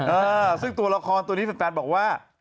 เออซึ่งตัวละครตัวนี้แฟนบอกว่า